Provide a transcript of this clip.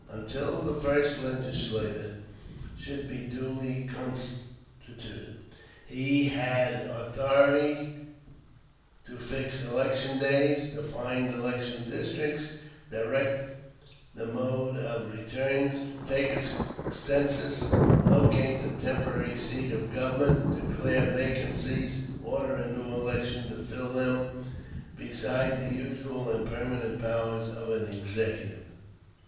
Until the first legislature should be duly constituted, he had authority to fix election days, define election districts, direct the mode of returns, take a census, locate the temporary seat of government, declare vacancies, order new elections to fill them, besides the usual and permanent powers of an executive.